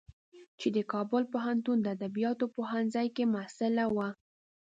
چې د کابل پوهنتون د ادبیاتو پوهنځی کې محصله وه.